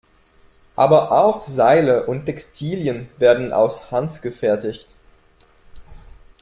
Aber auch Seile und Textilien werden aus Hanf gefertigt.